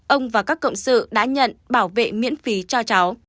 ông và các cộng sự đã nhận bảo vệ miễn phí cho cháu